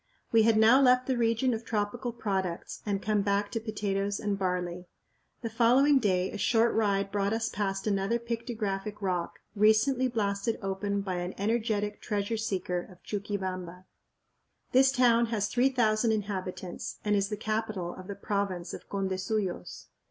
We had now left the region of tropical products and come back to potatoes and barley. The following day a short ride brought us past another pictographic rock, recently blasted open by an energetic "treasure seeker" of Chuquibamba. This town has 3000 inhabitants and is the capital of the province of Condesuyos.